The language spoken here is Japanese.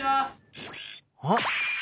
あっ！